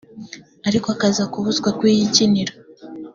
ariko akaza kubuzwa kuyikinira